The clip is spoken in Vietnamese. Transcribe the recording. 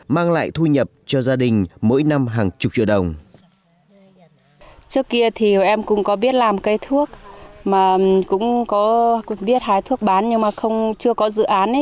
mang lại thu nhập cho gia đình mỗi năm hàng chục triệu đồng